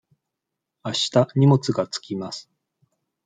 あした荷物が着きます。